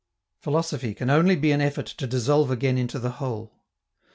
Philosophy can only be an effort to dissolve again into the Whole.